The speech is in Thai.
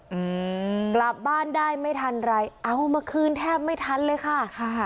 อืมกลับบ้านได้ไม่ทันไรเอามาคืนแทบไม่ทันเลยค่ะค่ะ